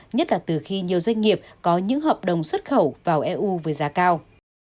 nhất là từ khi nhiều doanh nghiệp có những hợp đồng xuất khẩu vào eu với giá cao